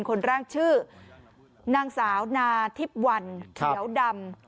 คนร่างชื่อนางสาวนาทิบวันเขียวดำ